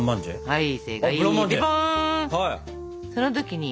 はい。